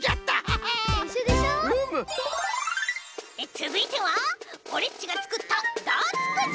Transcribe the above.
つづいてはオレっちがつくったダーツくじ！